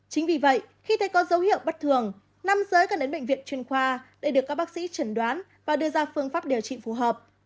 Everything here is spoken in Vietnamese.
chính vì vậy khi thấy có dấu hiệu bất thường nam giới cần đến bệnh viện chuyên khoa để được các bác sĩ chẩn đoán và đưa ra phương pháp điều trị phù hợp